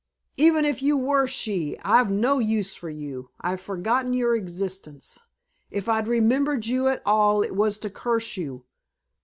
"Even if you were she, I've no use for you, I'd forgotten your existence. If I'd remembered you at all it was to curse you.